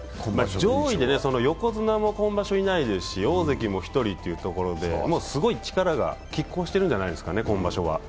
上位で横綱も今場所いないですし大関も１人というところですごい力がきっ抗しているんじゃないですかね。